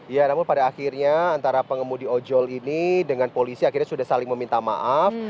ya namun pada akhirnya antara pengemudi ojol ini dengan polisi akhirnya sudah saling meminta maaf